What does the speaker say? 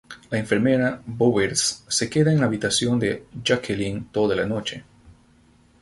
La enfermera Bowers se queda en la habitación de Jacqueline toda la noche.